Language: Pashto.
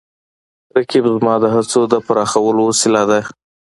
رقیب زما د هڅو د پراخولو وسیله ده